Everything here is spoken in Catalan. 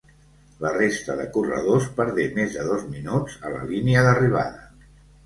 La resta de corredors perdé més de dos minuts a la línia d'arribada.